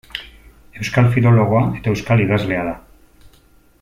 Euskal filologoa eta euskal idazlea da.